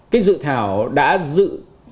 cái dự thảo đã dự